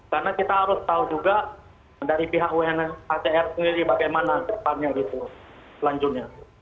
karena kita harus tahu juga dari pihak unhcr sendiri bagaimana depannya begitu selanjutnya